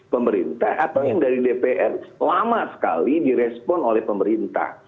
pemerintah atau yang dari dpr lama sekali direspon oleh pemerintah